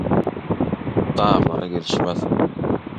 daglara gelişmez.